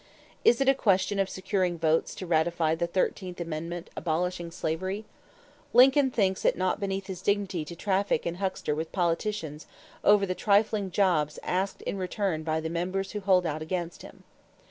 Is it a question of securing votes to ratify the thirteenth amendment abolishing slavery? Lincoln thinks it not beneath his dignity to traffic and huckster with politicians over the trifling jobs asked in return by the members who hold out against him.